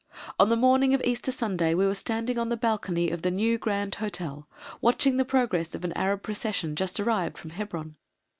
On the morning of Easter Sunday we were standing on the balcony of the New Grand Hotel watching the progress of an Arab procession just arrived from Hebron.